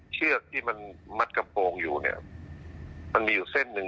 เชือกที่มันมัดกระโปรงอยู่เนี่ยมันมีอยู่เส้นหนึ่ง